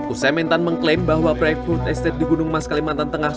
usai mentan mengklaim bahwa proyek food estate di gunung mas kalimantan tengah